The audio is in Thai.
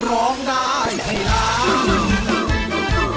ร้องได้ให้ล้าน